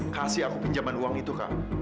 kasih aku pinjaman uang itu kak